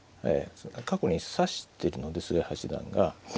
過去に指してるので菅井八段が。